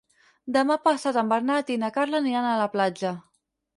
Demà passat en Bernat i na Carla aniran a la platja.